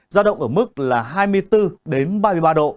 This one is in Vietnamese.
giao động ở mức là hai mươi bốn đến ba mươi ba độ